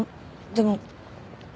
でも。